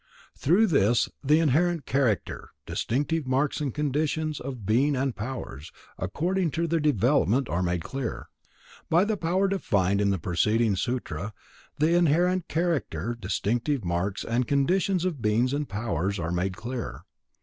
Through this, the inherent character, distinctive marks and conditions of being and powers, according to their development, are made clear. By the power defined in the preceding sutra, the inherent character, distinctive marks and conditions of beings and powers are made clear.